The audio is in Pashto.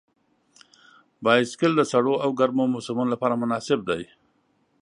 بایسکل د سړو او ګرمو موسمونو لپاره مناسب دی.